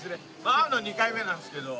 会うの２回目なんですけど。